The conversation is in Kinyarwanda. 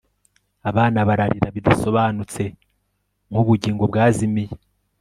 abana bararira bidasobanutse nkubugingo bwazimiye